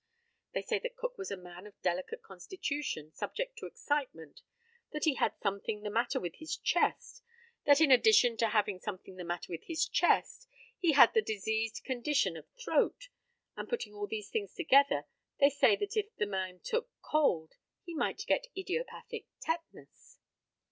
They say that Cook was a man of delicate constitution, subject to excitement; that he had something the matter with his chest; that in addition to having something the matter with his chest, he had the diseased condition of throat; and putting all these things together, they say that if the man took cold he might get idiopathic tetanus.